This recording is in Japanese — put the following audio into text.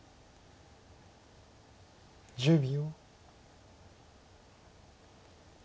１０秒。